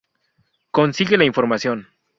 Consigue la información.